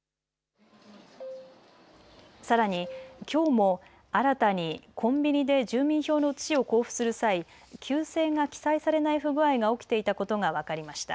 さらにきょうも新たにコンビニで住民票の写しを交付する際旧姓が記載されない不具合が起きていたことが分かりました。